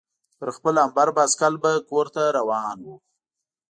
پر خپل امبر بایسکل به کورته روان وو.